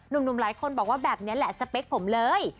หนุ่มหลายคนบอกว่าแบบนี้แหละสเปคผมเลย